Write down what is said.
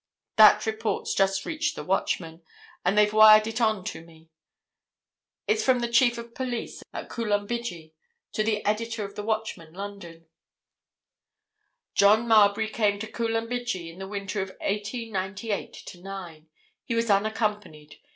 That report's just reached the Watchman, and they've wired it on to me. It's from the chief of police at Coolumbidgee to the editor of the Watchman, London:— "John Marbury came to Coolumbidgee in the winter of 1898 9. He was unaccompanied.